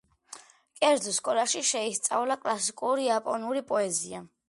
კერძო სკოლაში შეისწავლა კლასიკური იაპონური პოეზია.